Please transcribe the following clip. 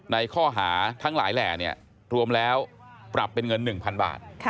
ในข้อหาทั้งหลายแหล่รวมแล้วปรับเป็นเงิน๑๐๐๐บาท